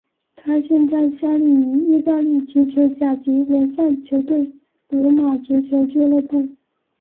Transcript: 他现在效力于意大利足球甲级联赛球队罗马足球俱乐部。